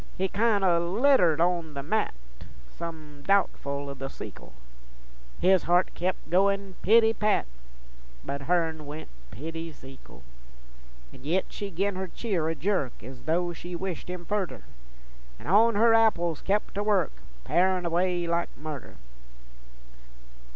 He kin' o' l'itered on the mat, Some doubtfle o' the sekle, His heart kep' goin' pity pat, But hern went pity Zekle. An' yit she gin her cheer a jerk Ez though she wished him furder, An' on her apples kep' to work, Parin' away like murder.